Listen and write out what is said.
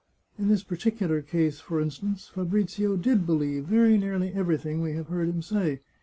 In this particular case, for instance, Fabrizio did believe very nearly everything we have heard him say.